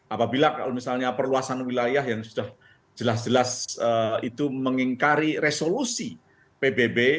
apabila kalau misalnya perluasan wilayah yang sudah jelas jelas itu mengingkari resolusi pbb